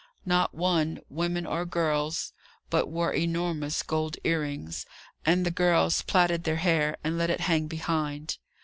Not one, women or girls, but wore enormous gold earrings, and the girls plaited their hair, and let it hang behind.